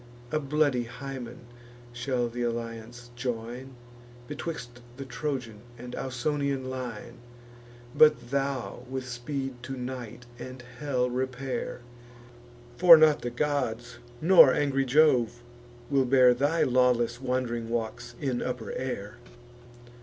A bloody Hymen shall th' alliance join Betwixt the Trojan and Ausonian line: But thou with speed to night and hell repair; For not the gods, nor angry Jove, will bear Thy lawless wand'ring walks in upper air.